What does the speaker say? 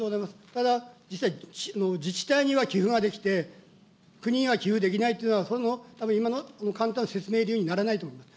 ただ、実際、自治体には寄付ができて、国には寄付できないというのは、今の説明理由にはならないと思います。